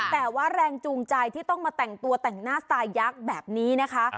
แต่ว่าแรงจูงใจที่ต้องมาแต่งตัวแต่งหน้าสไตล์ยักษ์แบบนี้นะคะ